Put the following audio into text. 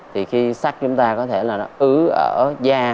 thì khi sắc chúng ta có thể là nó ứ ở da